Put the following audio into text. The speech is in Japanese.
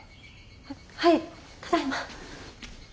ははいただいま。